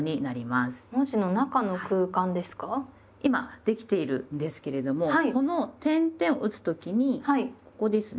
今できているんですけれどもこの点々を打つ時にここですね。